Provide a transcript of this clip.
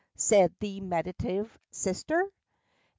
Said the meditative sister.